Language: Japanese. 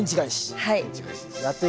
はい。